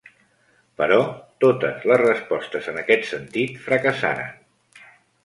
Però totes les respostes en aquest sentit fracassaren.